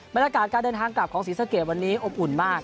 บรรยากาศการเดินทางกลับของศรีสะเกดวันนี้อบอุ่นมาก